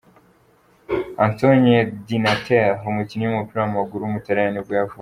Antonio Di Natale, umukinnyi w’umupira w’amaguru w’umutaliyani nibwo yavutse.